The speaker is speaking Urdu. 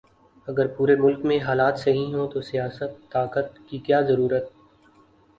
اگر پورے ملک میں حالات صحیح ھوں تو سیاست، طاقت، کی کیا ضرورت